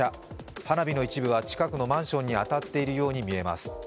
花火の一部は近くのマンションに当たっているように見えます。